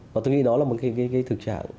và tôi nghĩ đó là một cái thứ